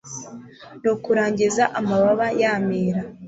nukurangiza amababa yamira